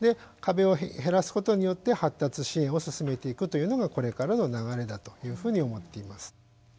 壁を減らすことによって発達支援を進めていくというのがこれからの流れだというふうに思っています。